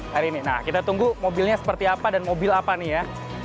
hari ini nah kita tunggu mobilnya seperti apa dan mobil apa nih ya